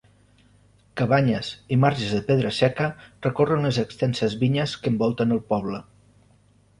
Cabanyes i marges de pedra seca recorren les extenses vinyes que envolten el poble.